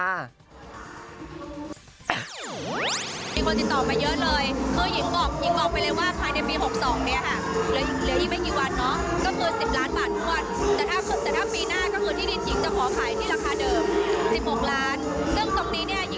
มีคนติดต่อไปเยอะเลย